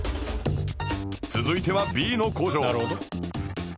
続いては Ｂ の工場